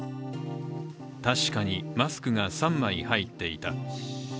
確かにマスクが３枚入っていた。